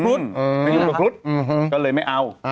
ไม่ถูกกับครุฑก็เลยไม่เอา